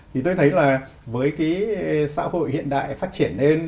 thì tôi thấy là với cái xã hội hiện đại phát triển lên